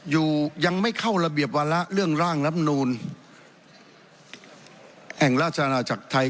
อยู่ยังไม่เข้าระเบียบวาระเรื่องร่างรับนูลแห่งราชอาณาจักรไทย